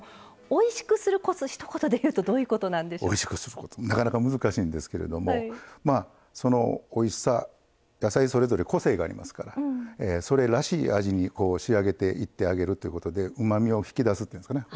おいしくするコツなかなか難しいんですけれどもそのおいしさ野菜それぞれ個性がありますからそれらしい味に仕上げていってあげるということでうまみを引き出すっていうんですかね